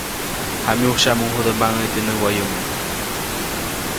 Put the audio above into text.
Jamyusyaʼmuŋ judä maʼŋäyu teʼ näwayomo.